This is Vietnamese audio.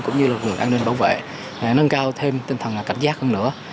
cũng như lực lượng an ninh bảo vệ nâng cao thêm tinh thần cảnh giác hơn nữa